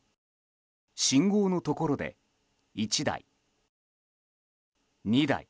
信号のところで１台、２台。